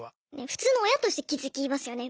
普通の親として気付きますよね。